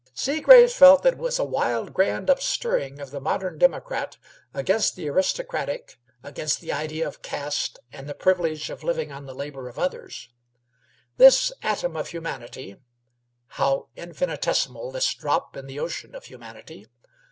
Seagraves felt that it was a wild, grand upstirring of the modern democrat against the aristocrat, against the idea of caste and the privilege of living on the labor of others. This atom of humanity (how infinitesimal this drop in the ocean of humanity!)